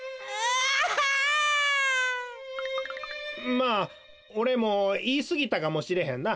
まあおれもいいすぎたかもしれへんな。